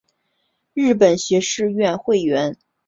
日本学士院会员。